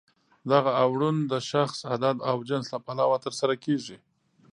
دغه اوړون د شخص، عدد او جنس له پلوه ترسره کیږي.